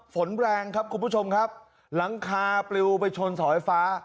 ฝนแรงครับคุณผู้ชมครับหลังคาปลิวไปชนเสาไฟฟ้า